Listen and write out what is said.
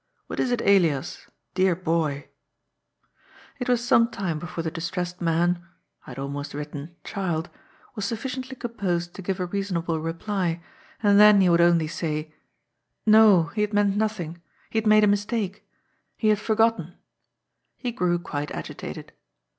" What is it, Elias? Dear boy I " It was some time before the distressed man — I had almost written " child '— was sufl&ciently composed to give a reasonable reply, and then he would only say :" No, he had meant nothing. He had made a mistake. He had forgotten." He grew quite agitated.